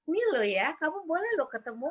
nih loh ya kamu boleh loh ketemu